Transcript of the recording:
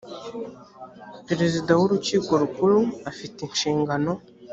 perezida w urukiko rukuru afite inshingano